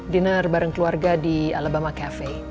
dinner bareng keluarga di alabama cafe